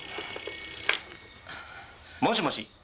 もしもし。